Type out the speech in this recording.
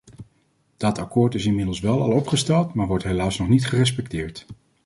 Dat akkoord is inmiddels wel al opgesteld, maar wordt helaas nog niet gerespecteerd.